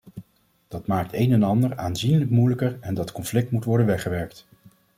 Dat maakt een en ander aanzienlijk moeilijker en dat conflict moet worden weggewerkt.